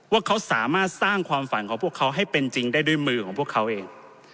ว่าเขาสามารถสร้างความฝันของพวกเขาให้เป็นจริงได้ด้วยมือของพวกเขาเอง